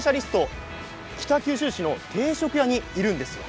北九州市の定食屋にいるんです。